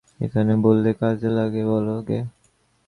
যেখানে বললে কাজে লাগে বলো গে।